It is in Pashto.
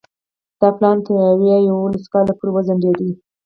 دا پلان تر ویا یوولس کال پورې وځنډېد.